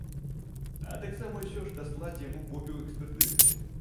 А таксама ўсё ж даслаць яму копію экспертызы.